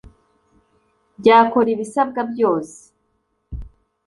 byakora ibisabwa byose